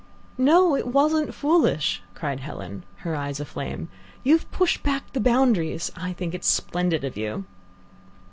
"No, it wasn't foolish!" cried Helen, her eyes aflame. "You've pushed back the boundaries; I think it splendid of you."